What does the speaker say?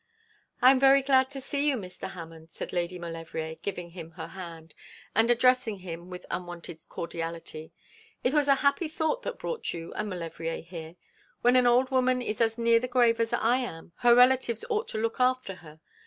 'I am very glad to see you, Mr. Hammond,' said Lady Maulevrier, giving him her hand, and addressing him with unwonted cordiality. 'It was a happy thought that brought you and Maulevrier here. When an old woman is as near the grave as I am her relatives ought to look after her.